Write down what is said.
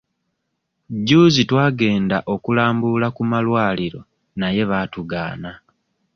Jjuuzi twagenda okulambula ku malwaliro naye baatugaana.